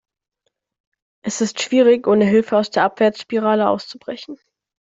Es ist schwierig, ohne Hilfe aus der Abwärtsspirale auszubrechen.